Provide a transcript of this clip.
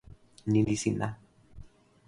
ni li sina.